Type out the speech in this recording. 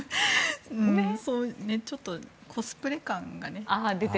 ちょっとコスプレ感がね。